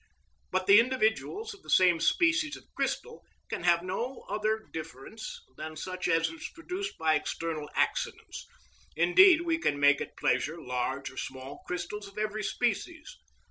But the individuals of the same species of crystal can have no other difference than such as is produced by external accidents; indeed we can make at pleasure large or small crystals of every species.